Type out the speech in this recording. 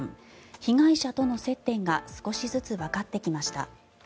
被害者との接点が少しずつわかってきました。